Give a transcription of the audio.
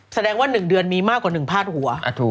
แสดงว่า๑เดือนมีมากกว่า๑พาดหัว